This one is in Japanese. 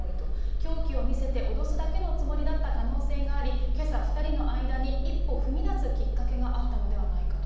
凶器を見せて脅すだけのつもりだった可能性があり、けさ、２人の間に一歩踏み出すきっかけがあったのではないかと。